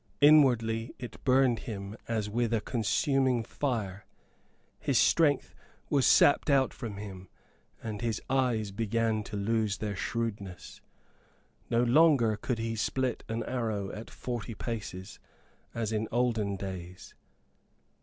Inwardly it burned him as with a consuming fire, his strength was sapped out from him and his eyes began to lose their shrewdness. No longer could he split an arrow at forty paces, as in olden days.